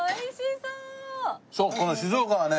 そうこの静岡はね